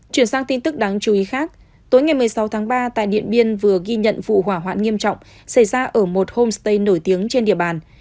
chuyển sang tin tức đáng chú ý khác tối ngày một mươi sáu tháng ba tại điện biên vừa ghi nhận vụ hỏa hoạn nghiêm trọng xảy ra ở một homestay nổi tiếng trên địa bàn